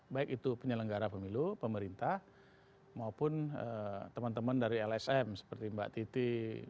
baik itu penyelenggara pemilu pemerintah maupun teman teman dari lsm seperti mbak titi